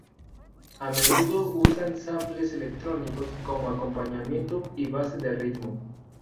A menudo usan samples electrónicos como acompañamiento y base de ritmo.